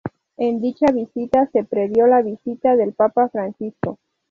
En dicha visita se previo la visita del papa Francisco.